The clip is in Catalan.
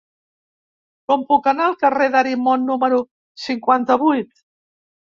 Com puc anar al carrer d'Arimon número cinquanta-vuit?